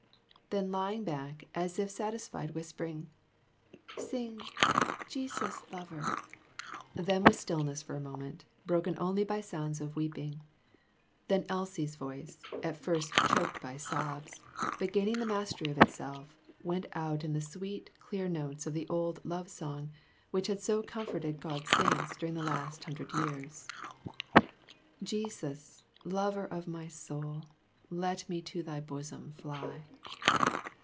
" Then lying back as if satisfied, whispered, " Sing, 'Jesus, lover' " Then was stillness for a moment, broken only by sounds of weeping ; then Elsie's voice, at first choked by sobs, but gaining the mastery of itself, went out in the sweet, clear notes of the old love song which has so comforted God's saints during the last hundred years " Jesus, lover of my soul, Let me to thy bosom fly."